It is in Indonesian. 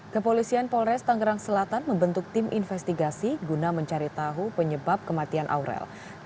kepolisian polres tangerang selatan membentuk tim investigasi guna mencari tahu penyebab kematian aurel